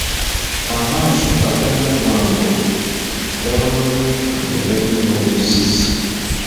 Amaaso aga Nnalwango gaba mamyufu nga galimu n’oluzzizzi.